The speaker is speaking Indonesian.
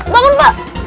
pak sri kiti